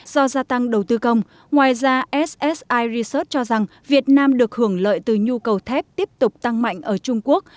do gia tăng đầu tư công ngoài ra ssi research cho rằng việt nam được hưởng lợi từ nhu cầu thép tiếp tục tăng mạnh ở trung quốc